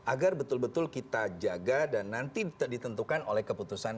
agar betul betul kita jaga dan nanti ditentukan oleh keputusan